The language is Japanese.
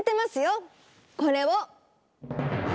これを！